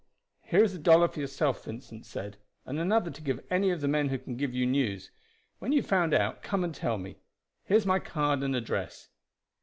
"Here is a dollar for yourself," Vincent said, "and another to give to any of the men who can give you the news. When you have found out come and tell me. Here is my card and address."